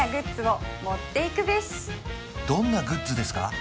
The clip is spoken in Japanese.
どんなグッズですか？